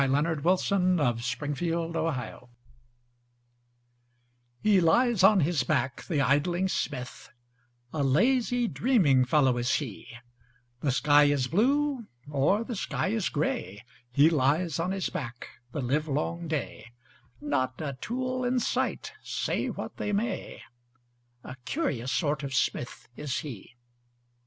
Helen Hunt Jackson The Poet's Forge HE lies on his back, the idling smith, A lazy, dreaming fellow is he; The sky is blue, or the sky is gray, He lies on his back the livelong day, Not a tool in sight, say what they may, A curious sort of smith is he.